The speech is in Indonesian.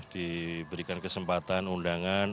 diberikan kesempatan undangan